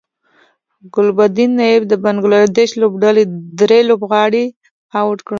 ګلبدین نایب د بنګلادیش لوبډلې درې لوبغاړي اوټ کړل